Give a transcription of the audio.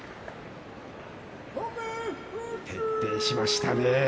徹底しましたね。